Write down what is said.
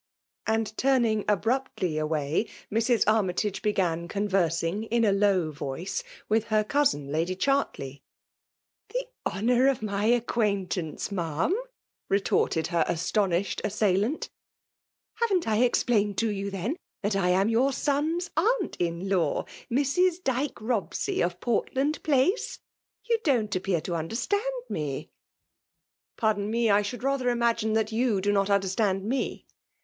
An^, burning abruptly away, Mrs. Armytage begai^ conversing in a low voice with her cousin X^dy Cbjartley. ^ ".'The honour of my acquaintance. Ma'am ?" •retorted her astonished assailant. " Ha'vn't I explained to you, then, that I am yqur son's ';a,ui9trini'l9.Wj Mrs. Dyke Bobsey, of Portlai^ £9a9e.? You dont appear to understand I ...</' Pardon me, I should ;rather imagine th^t xfi^u^do^not understand me.